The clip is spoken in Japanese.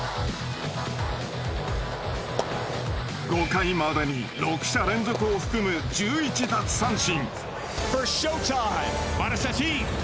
５回までに６者連続を含む１１奪三振。